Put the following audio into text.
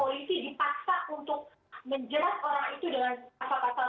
dalam hal itu saya ingin berharap bahwa virtual police ini akan memberikan edukasi literasi hukum kepada publik